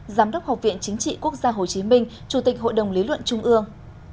giám đốc học viện chính trị quốc gia hồ chí minh chủ tịch hội đồng lý luận trung ương